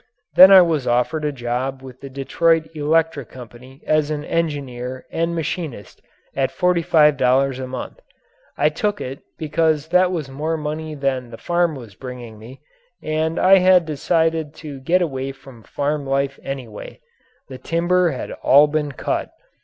Then I was offered a job with the Detroit Electric Company as an engineer and machinist at forty five dollars a month. I took it because that was more money than the farm was bringing me and I had decided to get away from farm life anyway. The timber had all been cut.